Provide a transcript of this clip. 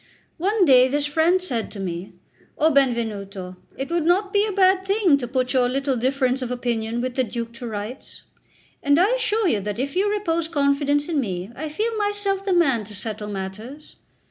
One day this friend said to me: "O Benvenuto, it would not be a bad thing to put your little difference of opinion with the Duke to rights; and I assure you that if you repose confidence in me, I feel myself the man to settle matters.